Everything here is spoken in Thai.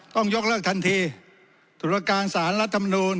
ต้องยกเลิกทันทีธุรการสารรัฐมนูล